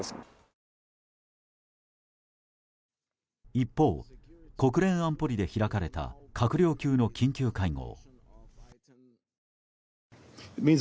一方、国連安保理で開かれた閣僚級の緊急会合。